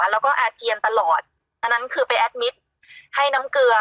แล้วก็อาเจียนตลอดอันนั้นคือไปแอดมิตรให้น้ำเกลือ